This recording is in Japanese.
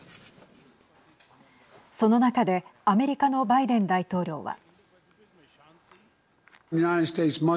その中でアメリカのバイデン大統領は。